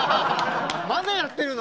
まだやってるの？